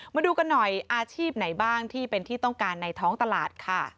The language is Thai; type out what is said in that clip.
มาดูกันหน่อยอาชีพไหนบ้างที่เป็นที่ต้องการในท้องตลาดค่ะ